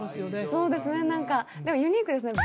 そうですね何かでもユニークですね